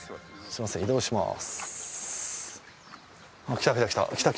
すいません移動します